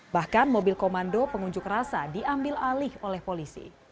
bahkan mobil komando pengunjuk rasa diambil alih oleh polisi